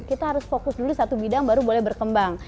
kita harus fokus dulu satu bidang baru boleh berkembang